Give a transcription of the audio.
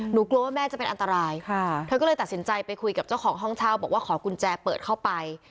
กลัวว่าแม่จะเป็นอันตรายค่ะเธอก็เลยตัดสินใจไปคุยกับเจ้าของห้องเช่าบอกว่าขอกุญแจเปิดเข้าไป